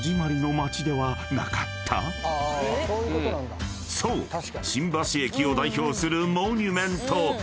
新橋駅を代表するモニュメント］